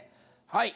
はい。